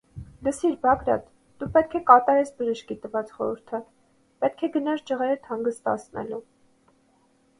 - Լսիր, Բագրատ, դու պետք է կատարես բժշկի տված խորհուրդը, պետք է գնաս ջղերդ հանգստացնելու: